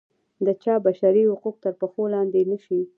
د چا بشري حقوق تر پښو لاندې نه شي.